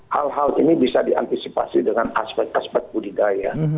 hal hal ini bisa diantisipasi dengan aspek aspek budidaya